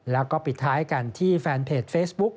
แล้วก็ปิดท้ายกันที่แฟนเพจเฟซบุ๊ก